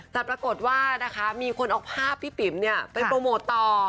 แต่ปรากฏว่านะคะมีคนเอาภาพพี่ปิ๋มไปโปรโมทต่อ